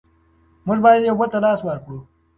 موږ بايد يو بل ته لاس ورکړو.